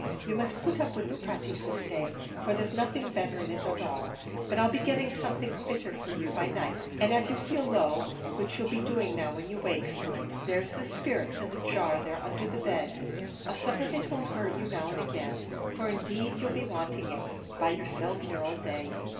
You must put up with the pratees this day, for there's nothing better in it at all; but I'll be getting something fitter for you by night; an' av' you feel low, which you'll be doing when you wakes, mind, there's the sperrits in the jar there undher the bed; a sup of it won't hurt you now an' agin, for indeed you'll be wanting it, by yerself here all day.